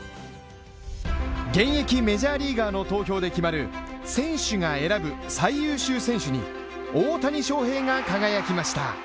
現役メジャーリーガーの投票で決まる選手が選ぶ最優秀選手に大谷翔平が輝きました。